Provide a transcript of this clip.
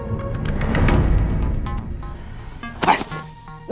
ini semua salah gue